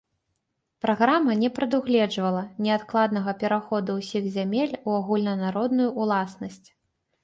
Праграма не прадугледжвала неадкладнага пераходу ўсіх зямель у агульнанародную ўласнасць.